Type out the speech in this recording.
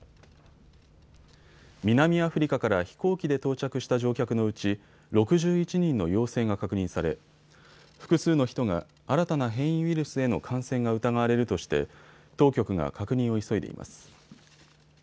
南アフリカから飛行機で到着した乗客のうち６１人の陽性が確認され複数の人が新たな変異ウイルスへの感染が疑われるとして当局が確認を急いでいます。